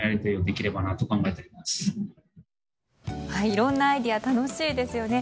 いろんなアイデア楽しいですよね。